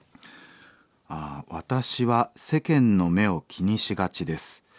「私は世間の目を気にしがちです。